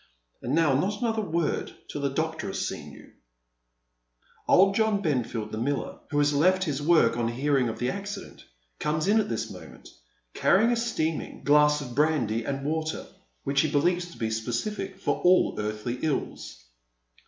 And now not another word till the doctor has seen you " Qld John Benfield, the miller, who has left his work on hearing of the eccident, comet in at this moment, carrj ing a steaminir Fallen by the Wayside. 2*29 glass of brandy and water, which he believes to be a specific for all earthly ills.